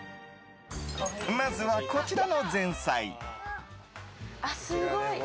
まずは、こちらの前菜。